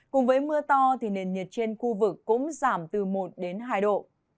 cùng với mưa to thì nền nhiệt trên khu vực cũng giảm từ một đến hai độ